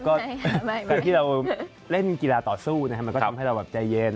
การที่เราเล่นกีฬาต่อสู้นะคะก็ทำให้เราใจเย็น